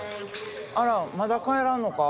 アランまだ帰らんのか？